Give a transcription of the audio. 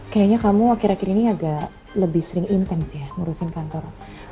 kayaknya kamu akhir akhir ini agak lebih sering intens ya ngurusin kantor